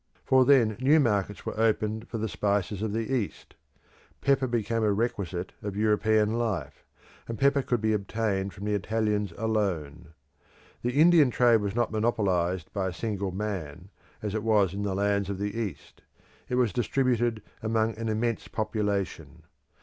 For then new markets were opened for the spices of the East. Pepper became a requisite of European life; and pepper could be obtained from the Italians alone. The Indian trade was not monopolised by a single man, as it was in the lands of the East. It was distributed among an immense population.